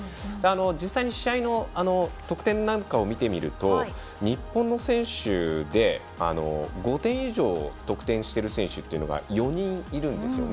実際に試合の得点なんかを見てみても日本の選手で、５点以上得点している選手っていうのが４人いるんですよね。